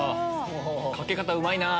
かけ方うまいなぁ。